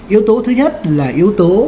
yếu tố thứ nhất là yếu tố